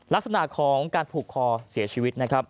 ลักษณะของการผูกคอเสียชีวิตนะครับ